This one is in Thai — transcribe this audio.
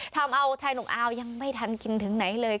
ทำเอาชายหนุ่มอาวยังไม่ทันกินถึงไหนเลย